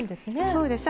そうです。